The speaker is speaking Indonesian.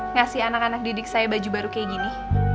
ngasih anak anak didik saya baju baru kayak gini